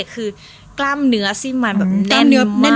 คือกล้ามเนื้อสิมาแน่นมาก